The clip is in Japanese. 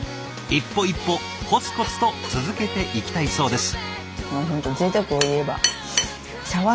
一歩一歩コツコツと続けていきたいそうです。